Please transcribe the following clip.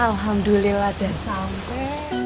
alhamdulillah dan sampai